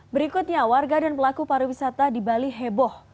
berikutnya warga dan pelaku pariwisata di bali heboh